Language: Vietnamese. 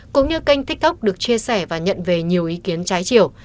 cũng như kênh tiktok được chia sẻ và nhận về nhiều ý kiến trái chiều